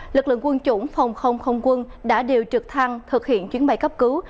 lực lượng quân chủng phòng không không quân đã điều trực thăng thực hiện chuyến bay cấp cứu